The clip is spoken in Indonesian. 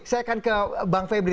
saya akan ke bang febri